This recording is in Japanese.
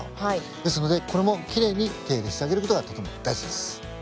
ですのでこれもきれいに手入れしてあげる事がとても大事です。